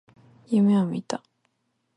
夢を見た。